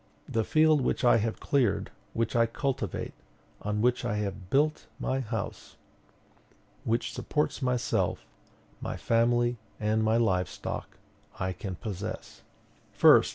The field which I have cleared, which I cultivate, on which I have built my house, which supports myself, my family, and my livestock, I can possess: 1st.